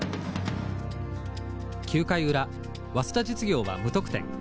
９回裏早稲田実業は無得点。